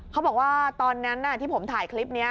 เขาบอกว่าตอนนั้นที่ผมถ่ายคลิปนี้